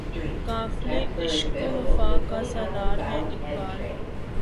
قافلہِ عشق و وفا کا سالار ہے اقبال